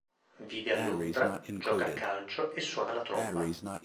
Vive a Londra, gioca a calcio e suona la tromba.